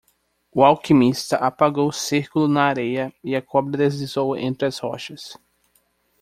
O alquimista apagou o círculo na areia e a cobra deslizou entre as rochas.